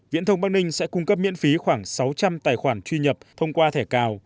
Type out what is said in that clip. viễn thông bắc ninh sẽ cung cấp miễn phí khoảng sáu trăm linh tài khoản truy nhập thông qua thẻ cào